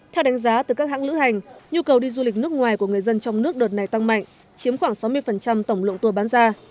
theo đánh giá từ các hãng lữ hành nhu cầu đi du lịch nước ngoài của người dân trong nước đợt này tăng mạnh chiếm khoảng sáu mươi tổng lượng tour bán ra